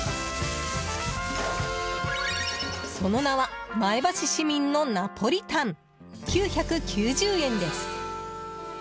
その名は前橋市民のナポリタン９９０円です。